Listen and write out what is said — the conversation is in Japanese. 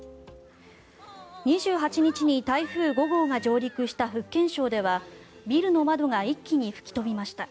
２８日に台風５号が上陸した福建省ではビルの窓が一気に吹き飛びました。